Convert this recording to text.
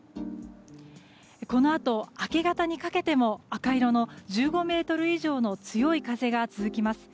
このあと明け方にかけても赤色の１５メートル以上の強い風が続きます。